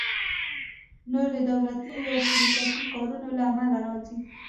نور د دولتي یا شرکتي کارونو له امله راځي